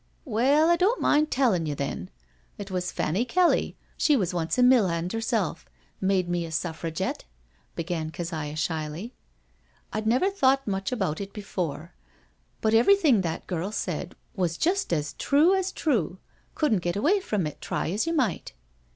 " Well, I don't mind telling you, then. It was Fanny Kelly, she who was once a mill hand herself, made me a Suffragette," began Keziah shyly. "I'd never thought much about it before, but everything that girl said was just as true as true — couldn't get away from it, try as you might.